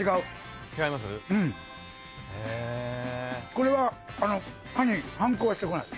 これは歯に反抗はしてこない。